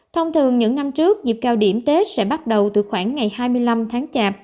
thông thường những năm trước dịp cao điểm tết sẽ bắt đầu từ khoảng ngày hai mươi năm tháng chạp